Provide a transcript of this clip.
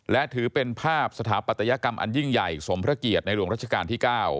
และถือเป็นภาพสถาปัตยกรรมอันยิ่งใหญ่สมพระเกียรติในหลวงรัชกาลที่๙